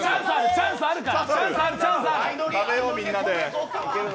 チャンスあるから！